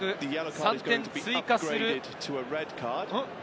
３点追加する。